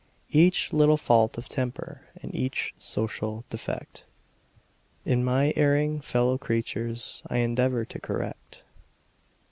Each little fault of temper and each social defect In my erring fellow creatures, I endeavor to correct.